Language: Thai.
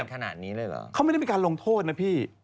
พอไม่ได้มีการลงโทษนะพี่